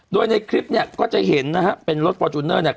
โดยในคลิปเนี่ยก็จะเห็นนะฮะเป็นรถฟอร์จูเนอร์เนี่ย